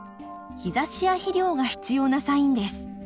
日ざしや肥料が必要なサインです。